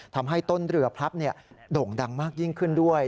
ทำให้ต้นเรือพลับโด่งดังมากยิ่งขึ้นด้วย